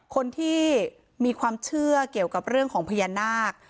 คนที่มีความเชื่อเกี่ยวกับเรื่องของพญานาค